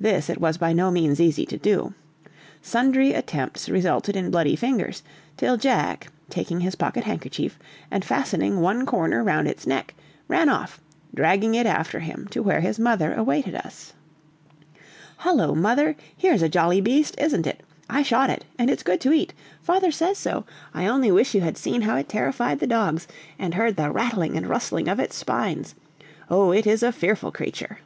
This it was by no means easy to do. Sundry attempts resulted in bloody fingers, till Jack, taking his pocket handkerchief, and fastening one corner round its neck, ran off, dragging it after him to where his mother awaited us. "Hullo, mother! here's a jolly beast, isn't it? I shot it, and it's good to eat! Father says so! I only wish you had seen how it terrified the dogs, and heard the rattling and rustling of its spines. Oh, it is a fearful creature!"